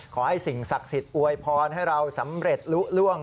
สิ่งศักดิ์สิทธิ์อวยพรให้เราสำเร็จลุล่วง